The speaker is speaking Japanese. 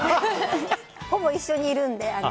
ほぼ一緒にいるので。